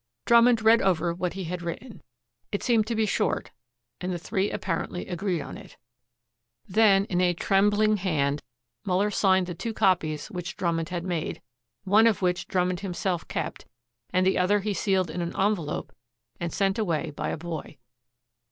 Drummond read over what he had written. It seemed to be short, and the three apparently agreed on it. Then, in a trembling hand, Muller signed the two copies which Drummond had made, one of which Drummond himself kept and the other he sealed in an envelope and sent away by a boy.